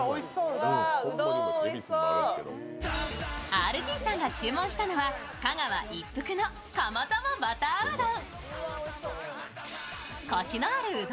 ＲＧさんが注文したのは香川の有名店、一福の釜玉バターうどん。